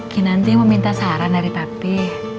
kinanti mau minta saran dari papi